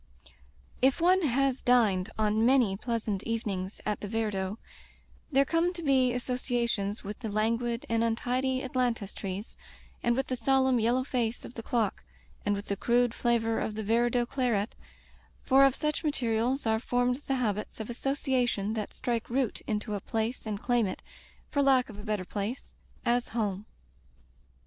If one has dined on many pleasant even ings at the Viardot, there come to be asso ciations with the languid and untidy ailantus trees, and with the solemn yellow face of the clock, and with the crude flavor of the Viar dot claret, for of such materials are formed the habits of association that strike root into a place and claim it — for lack of a better place — as home.